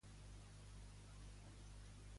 On ha fet un comunicat, Turquia?